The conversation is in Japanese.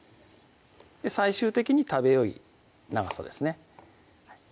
最終的に食べよい長さですね